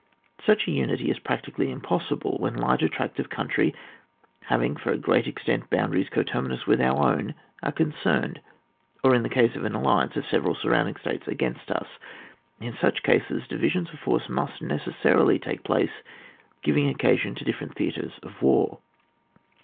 Such a unity is practically impos sible when larger tracts of country, having for a great extent boundaries conterminious with our own, are con cerned, or in the case of an alliance of several surrounding states against us. In such cases, divisions of force must necessarily take place, giving occasion to different theatres of war.